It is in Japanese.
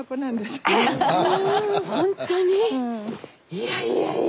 いやいやいや。